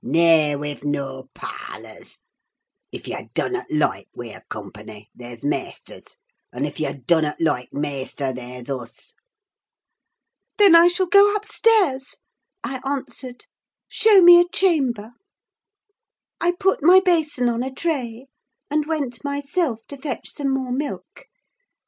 Nay, we've noa parlours. If yah dunnut loike wer company, there's maister's; un' if yah dunnut loike maister, there's us." "Then I shall go upstairs," I answered; "show me a chamber." I put my basin on a tray, and went myself to fetch some more milk.